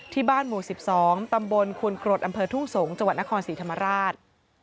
ที่บ้านหมู่๑๒ตำบลคุณกรดอำเภอทุ่งสงส์จนครศรีธรรมราช